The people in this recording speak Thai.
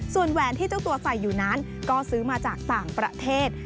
ส่วนแหวนที่เจ้าตัวใส่อยู่นั้นก็ซื้อมาจากต่างประเทศ